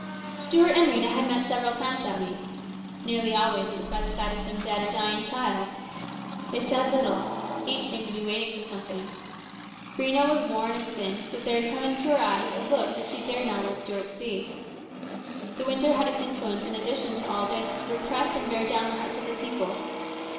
Stuart and Rhena had met several times that week. Nearly always it was by the side of some dead or dying child. They said little. Each seemed to be waiting for something. Rhena was worn and thin, but there had come into her eyes a look she dared not let Stuart see. The winter had its influence in addition to all this to repress and bear down the hearts of the people.